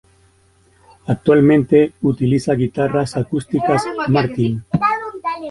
Actualmente utiliza guitarras acústicas Martin.